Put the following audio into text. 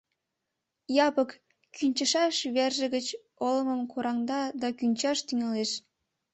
Япык кӱнчышаш верже гыч олымым кораҥда да кӱнчаш тӱҥалеш.